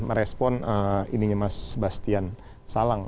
merespon ini mas sebastian salang